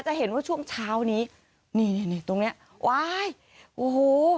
จะเห็นว่าช่วงเช้านี้นี่นี่ตรงเนี้ยว้ายโอ้โห